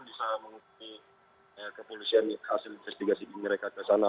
tapi kepolisian hasil investigasi ini mereka kesana